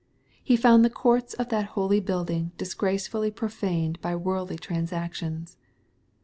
He found the courts of that holy building disgracefully profaned by worldly trans actions.